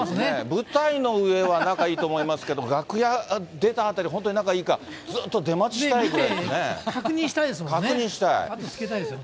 舞台の上は仲いいと思いますけど、楽屋出たあたり、本当に仲いいか、ずーっと出待ちしたいぐらいです